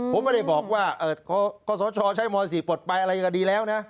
ผมไม่ได้บอกว่าคศใช้ม๔ปลดไปอะไรยังไงก็ดีแล้วนะ